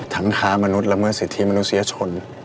ทั้งข้ามนุษย์ละเมื่อสิทธิ์มนุษยชน